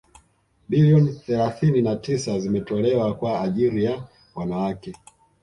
bilioni thelathini na tisa zimetolewa kwa ajiri ya wanawake